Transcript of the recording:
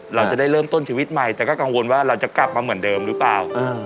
เราจะได้เริ่มต้นชีวิตใหม่แต่ก็กังวลว่าเราจะกลับมาเหมือนเดิมหรือเปล่า